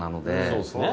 そうですね。